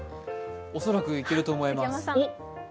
恐らくいけると思います。